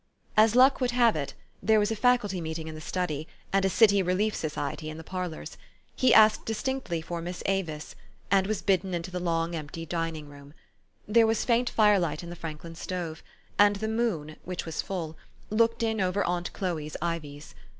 As luck would have it, there was a Faculty meet 200 THE STORY OF AVIS. ing in the study, and a City Relief Society in the parlors. He asked distinctly for Miss Avis, and was bidden into the long, empty dining room. There was faint firelight in the Franklin stove ; and the moon, which was full, looked in over aunt Chloe's ivies.